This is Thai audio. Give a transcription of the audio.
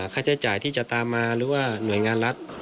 ค่าใช้จ่ายที่จะตามมาหรือว่าหน่วยงานรัฐ